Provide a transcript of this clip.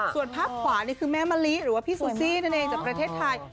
ส่วนภาพขวานี่คือแม่มะลิหรือว่าพี่ซูซี่นั่นเองจากประเทศไทย